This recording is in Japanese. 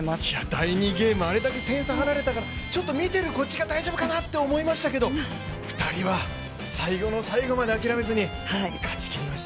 第２ゲーム、あれだけ点差離れたから、見ているこっちが大丈夫かなって思いましたけれども、２人は最後の最後まで諦めずに勝ちきりました。